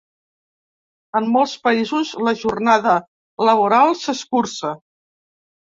En molts països, la jornada laboral s’escurça.